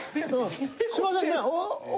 すいませんね！